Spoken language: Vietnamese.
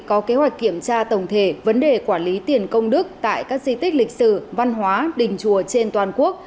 có kế hoạch kiểm tra tổng thể vấn đề quản lý tiền công đức tại các di tích lịch sử văn hóa đình chùa trên toàn quốc